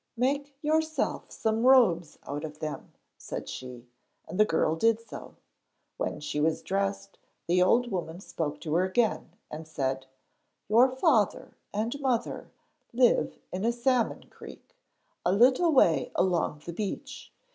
'Make yourself some robes out of them,' said she, and the girl did so. When she was dressed, the old woman spoke to her again, and said: 'Your father and mother live in a salmon creek, a little way along the beach.